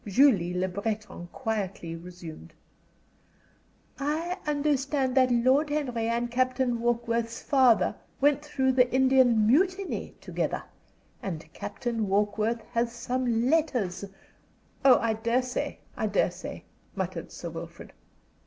Julie Le Breton quietly resumed: "I understand that Lord Henry and Captain Warkworth's father went through the Indian Mutiny together, and Captain Warkworth has some letters " "Oh, I dare say I dare say," muttered Sir Wilfrid.